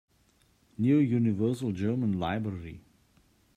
New Universal German Library.